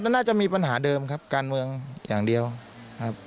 น่าจะมีปัญหาเดิมครับการเมืองอย่างเดียวครับ